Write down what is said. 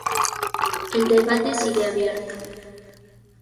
El debate sigue abierto.